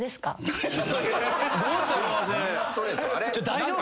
大丈夫？